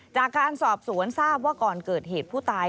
จากการสอบสวนทราบว่าก่อนเกิดเหตุผู้ตาย